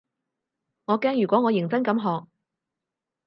我驚如果我認真咁學